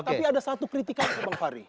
tapi ada satu kritikan bang fahri